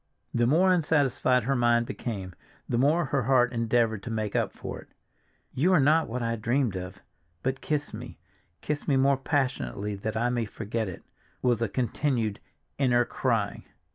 The more unsatisfied her mind became, the more her heart endeavored to make up for it. "You are not what I dreamed—but kiss me, kiss me more passionately that I may forget it!" was the continued inner cry.